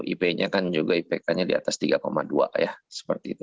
ipk nya kan juga di atas tiga dua seperti itu